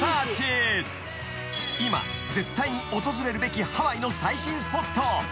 ［今絶対に訪れるべきハワイの最新スポット］